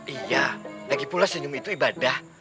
iya lagi pula senyum itu ibadah